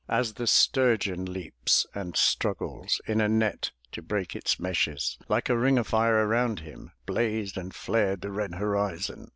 As the sturgeon leaps and struggles In a net to break its meshes. Like a ring of fire around him Blazed and flared the red horizon.